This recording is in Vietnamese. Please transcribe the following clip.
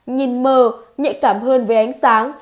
nhìn mờ nhạy cảm hơn với ánh sáng